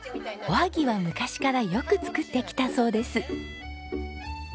おはぎは昔からよく作ってきたそうです。